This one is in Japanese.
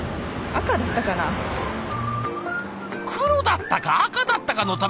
黒だったか赤だったかの食べ物。